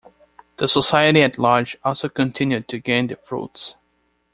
The society at large also continued to gain the fruits.